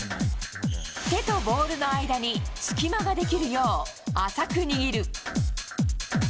手とボールの間に隙間ができるよう浅く握る。